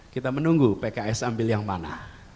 kita menunggu pks ambil yang mana